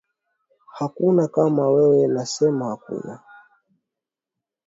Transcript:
Hakuna kama wewe nasema hakuna.